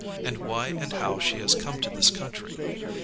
and why and how she has come lo this country.